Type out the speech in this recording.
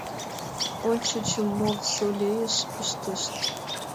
— Ончыч Мавзолейыш пыштышт.